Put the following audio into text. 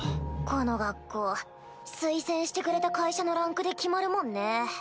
この学校推薦してくれた会社のランクで決まるもんね。